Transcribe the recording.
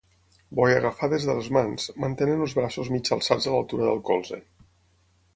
Bo i agafades de les mans, mantenen els braços mig alçats a l'altura del colze.